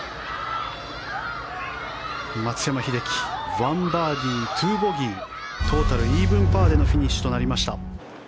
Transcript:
松山英樹、１バーディー２ボギートータルイーブンパーでのフィニッシュとなりました。